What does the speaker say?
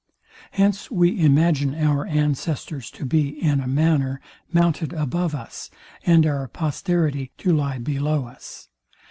Hence we imagine our ancestors to be, in a manner, mounted above us, and our posterity to lie below us.